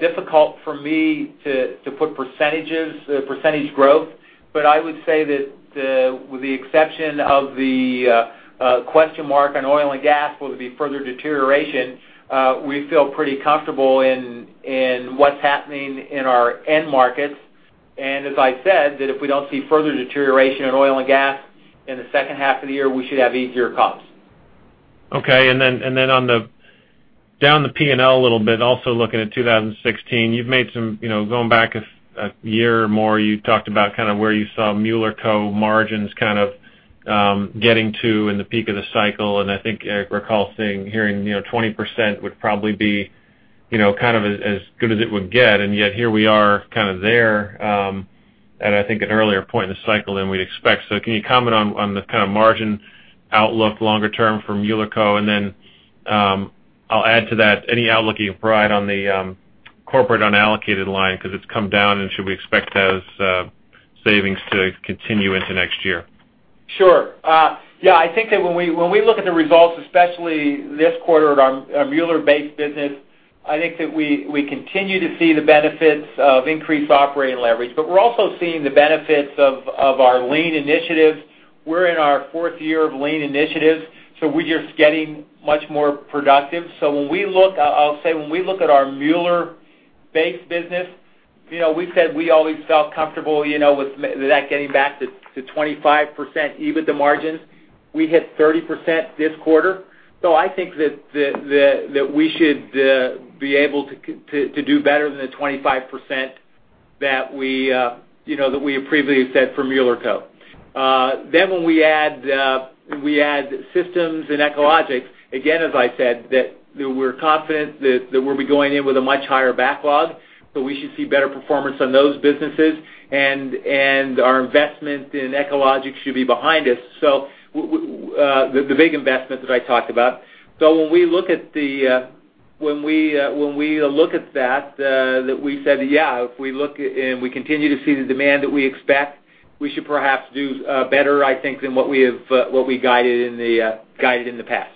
difficult for me to put percentages, percentage growth, but I would say that with the exception of the question mark on oil and gas, will there be further deterioration? We feel pretty comfortable in what's happening in our end markets. As I said, that if we don't see further deterioration in oil and gas in the second half of the year, we should have easier comps. Okay. Down the P&L a little bit, also looking at 2016, going back a year or more, you talked about where you saw Mueller Co. margins getting to in the peak of the cycle. I think I recall seeing, hearing 20% would probably be as good as it would get. Yet here we are there, at I think an earlier point in the cycle than we'd expect. Can you comment on the margin outlook longer term for Mueller Co.? Then, I'll add to that, any outlook you provide on the corporate unallocated line, because it's come down, and should we expect those savings to continue into next year? Sure. When we look at the results, especially this quarter at our Mueller-based business, we continue to see the benefits of increased operating leverage. We're also seeing the benefits of our lean initiatives. We're in our fourth year of lean initiatives, so we're just getting much more productive. I'll say, when we look at our Mueller-based business, we said we always felt comfortable with that getting back to 25% EBITDA margins. We hit 30% this quarter. We should be able to do better than the 25% that we previously said for Mueller Co. When we add Systems and Echologics, we're confident that we'll be going in with a much higher backlog, so we should see better performance on those businesses. Our investment in Echologics should be behind us, the big investment that I talked about. When we look at that, we should perhaps do better than what we guided in the past.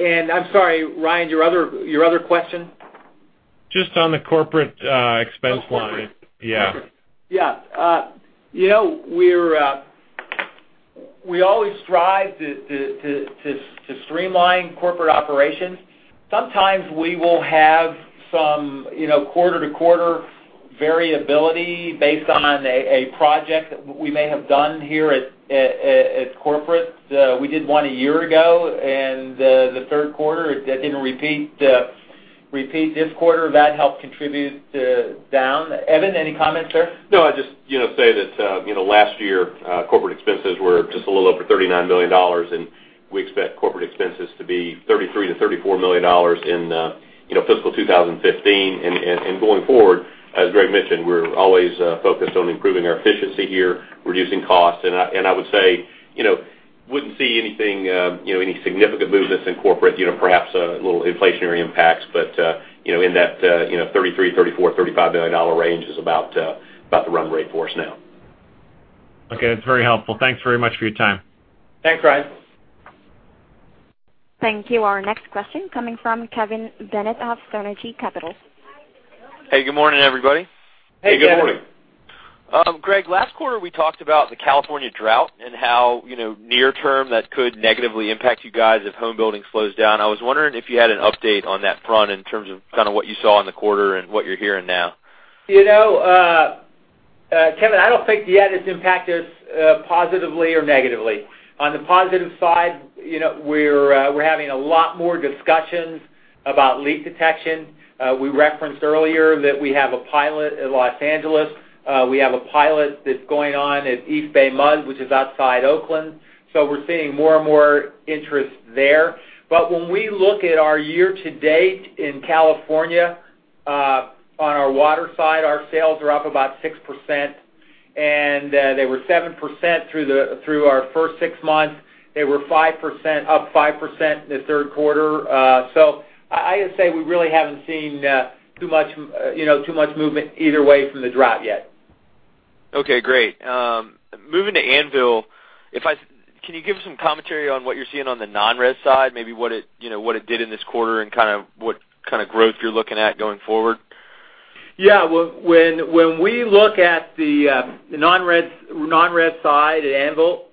I'm sorry, Ryan, your other question? Just on the corporate expense line. We always strive to streamline corporate operations. Sometimes we will have some quarter-over-quarter variability based on a project we may have done here at corporate. We did one a year ago in the third quarter. That didn't repeat this quarter. That helped contribute to down. Evan, any comments there? I'd just say that last year, corporate expenses were just a little over $39 million, and we expect corporate expenses to be $33 million-$34 million in fiscal 2015. Going forward, as Greg mentioned, we're always focused on improving our efficiency here, reducing costs, and I would say, wouldn't see any significant movements in corporate, perhaps a little inflationary impacts, but in that $33 million-$35 million range is about the run rate for us now. Okay. That's very helpful. Thanks very much for your time. Thanks, Ryan. Thank you. Our next question coming from Kevin Bennett of Sterne Agee Capital. Hey, good morning, everybody. Hey, Kevin. Hey, good morning. Greg, last quarter, we talked about the California drought and how near term that could negatively impact you guys if home building slows down. I was wondering if you had an update on that front in terms of what you saw in the quarter and what you're hearing now. Kevin, I don't think yet it's impacted positively or negatively. On the positive side, we're having a lot more discussions about leak detection. We referenced earlier that we have a pilot at Los Angeles. We have a pilot that's going on at East Bay Mud, which is outside Oakland. We're seeing more and more interest there. When we look at our year-to-date in California, on our water side, our sales are up about 6%, and they were 7% through our first six months. They were up 5% in the third quarter. I gotta say we really haven't seen too much movement either way from the drought yet. Okay, great. Moving to Anvil, can you give some commentary on what you're seeing on the non-res side, maybe what it did in this quarter, and what kind of growth you're looking at going forward? When we look at the non-res side at Anvil,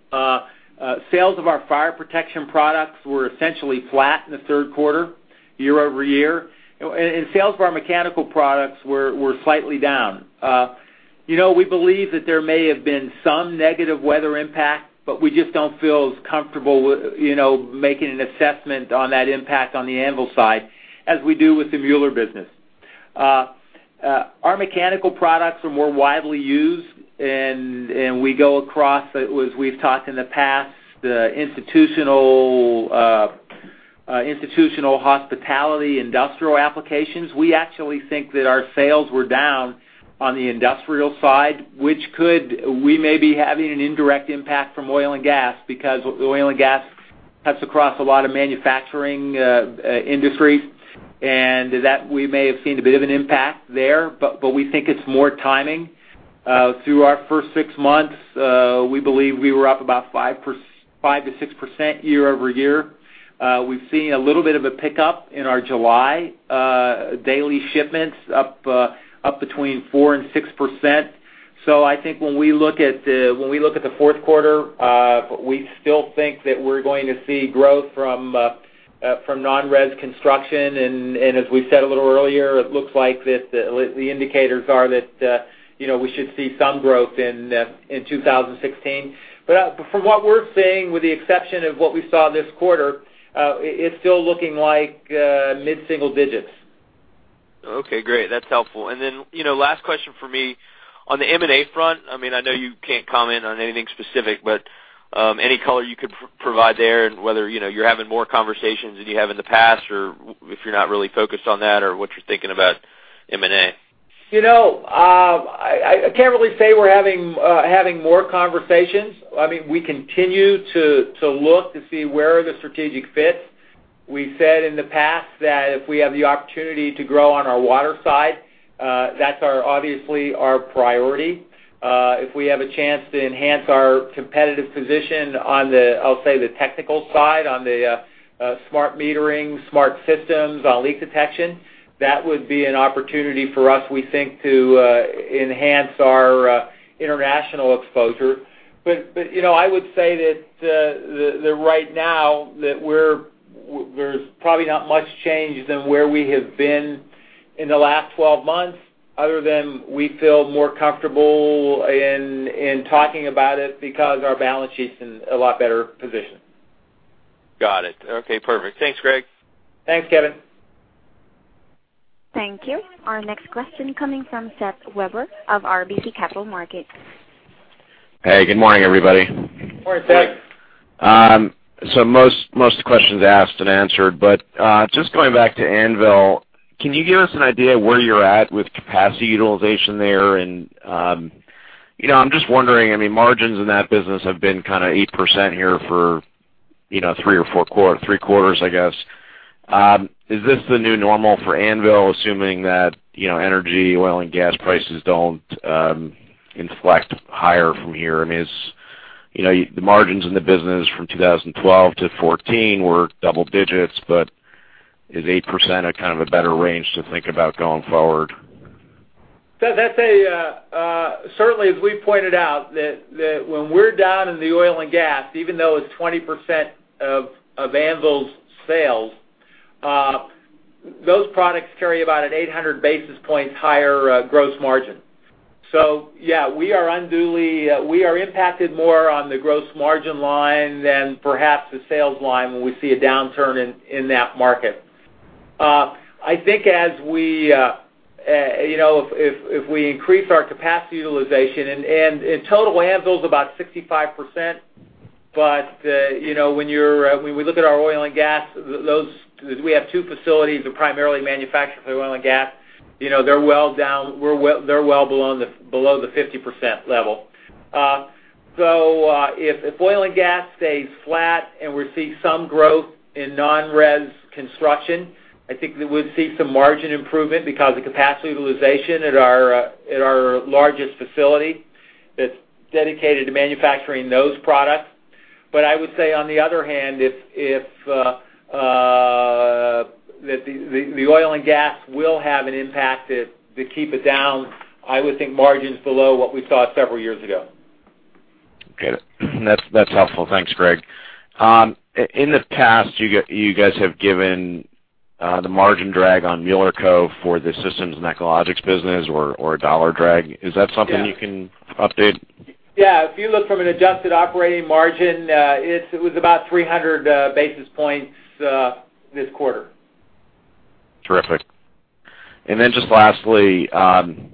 sales of our fire protection products were essentially flat in the third quarter year-over-year, and sales of our mechanical products were slightly down. We believe that there may have been some negative weather impact, we just don't feel as comfortable making an assessment on that impact on the Anvil side as we do with the Mueller business. Our mechanical products are more widely used, and we go across, as we've talked in the past, the institutional hospitality industrial applications. We actually think that our sales were down on the industrial side, which we may be having an indirect impact from oil and gas because oil and gas cuts across a lot of manufacturing industry, and that we may have seen a bit of an impact there. We think it's more timing. Through our first six months, we believe we were up about 5%-6% year-over-year. We've seen a little bit of a pickup in our July daily shipments, up between 4% and 6%. I think when we look at the fourth quarter, we still think that we're going to see growth from non-res construction, and as we said a little earlier, it looks like the indicators are that we should see some growth in 2016. From what we're seeing, with the exception of what we saw this quarter, it's still looking like mid-single digits. Okay, great. That's helpful. Last question from me. On the M&A front, I know you can't comment on anything specific, but any color you could provide there, and whether you're having more conversations than you have in the past, or if you're not really focused on that, or what you're thinking about M&A? I can't really say we're having more conversations. We continue to look to see where the strategic fits. We've said in the past that if we have the opportunity to grow on our water side, that's obviously our priority. If we have a chance to enhance our competitive position on the, I'll say, the technical side, on the smart metering, smart systems, on leak detection, that would be an opportunity for us, we think, to enhance our international exposure. I would say that right now, there's probably not much change than where we have been in the last 12 months, other than we feel more comfortable in talking about it because our balance sheet's in a lot better position. Got it. Okay, perfect. Thanks, Greg. Thanks, Kevin. Thank you. Our next question coming from Seth Weber of RBC Capital Markets. Hey, good morning, everybody. Morning, Seth. Most questions asked and answered, just going back to Anvil, can you give us an idea where you're at with capacity utilization there? I'm just wondering, margins in that business have been kind of 8% here for three quarters, I guess. Is this the new normal for Anvil, assuming that energy, oil, and gas prices don't inflect higher from here? The margins in the business from 2012 to 2014 were double digits, is 8% a kind of a better range to think about going forward? Seth, I'd say, certainly, as we've pointed out, that when we're down in the oil and gas, even though it's 20% of Anvil International's sales, those products carry about an 800 basis points higher gross margin. Yeah, we are impacted more on the gross margin line than perhaps the sales line when we see a downturn in that market. I think if we increase our capacity utilization, and in total, Anvil International's about 65%, but when we look at our oil and gas, we have two facilities that primarily manufacture for oil and gas. They're well below the 50% level. If oil and gas stays flat and we see some growth in non-res construction, I think that we'd see some margin improvement because of capacity utilization at our largest facility that's dedicated to manufacturing those products. I would say, on the other hand, if the oil and gas will have an impact to keep it down, I would think margins below what we saw several years ago. Get it. That's helpful. Thanks, Greg. In the past, you guys have given the margin drag on Mueller Co. for the systems and Echologics business or dollar drag. Is that something you can update? Yeah. If you look from an adjusted operating margin, it was about 300 basis points this quarter. Terrific. Just lastly, the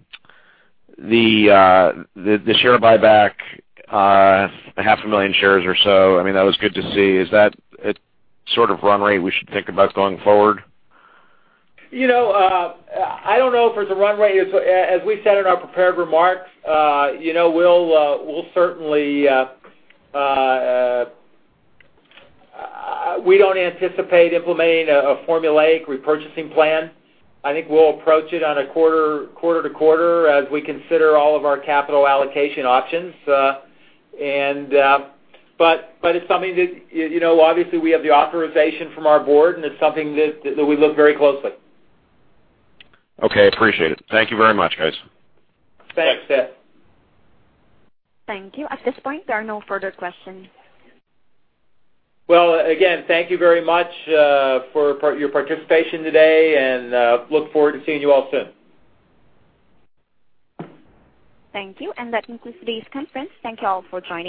share buyback, half a million shares or so, that was good to see. Is that a sort of run rate we should think about going forward? I don't know if it's a run rate. As we said in our prepared remarks, we don't anticipate implementing a formulaic repurchasing plan. I think we'll approach it on a quarter to quarter as we consider all of our capital allocation options. It's something that, obviously, we have the authorization from our board, and it's something that we look very closely. Okay, appreciate it. Thank you very much, guys. Thanks, Seth. Thank you. At this point, there are no further questions. Well, again, thank you very much for your participation today, and look forward to seeing you all soon. Thank you, and that concludes today's conference. Thank you all for joining.